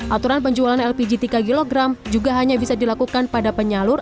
aturan penjualan lpg tiga kg juga hanya bisa dilakukan pada penyalur